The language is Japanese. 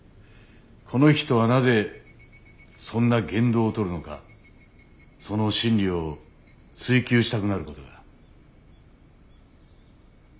この人はなぜそんな言動をとるのかその心理を追求したくなることが。